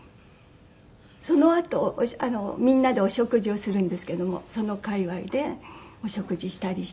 そのあとみんなでお食事をするんですけどもその界隈でお食事したりして。